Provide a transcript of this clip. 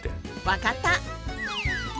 分かった。